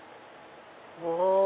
お！